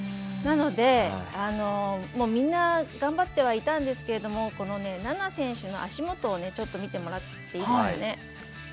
なのでもうみんな頑張ってはいたんですけども菜那選手の足元をちょっと見てもらってほしいんですよね。